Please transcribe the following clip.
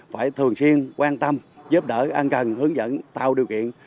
phải thường xuyên quan tâm giúp đỡ an cần hướng dẫn tạo điều kiện